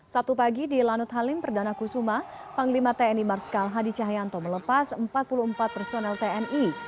sabtu pagi di lanut halim perdana kusuma panglima tni marskal hadi cahyanto melepas empat puluh empat personel tni